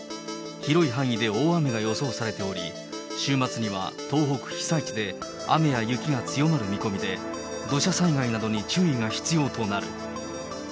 広い範囲で大雨が予想されており、週末には、東北被災地で雨や雪が強まる見込みで、土砂災害などに注意が必要となる。